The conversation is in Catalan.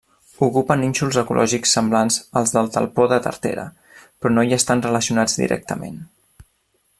Ocupen nínxols ecològics semblants als del talpó de tartera, però no hi estan relacionats directament.